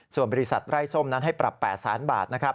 ส่วนบริษัทไร้ส้มนั้นให้ปรับ๘๐๐บาท